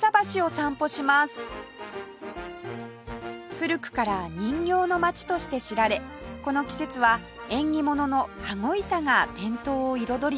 古くから人形の街として知られこの季節は縁起物の羽子板が店頭を彩ります